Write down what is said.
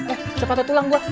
eh cepetan tulang gue